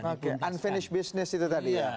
oke unfinish business itu tadi ya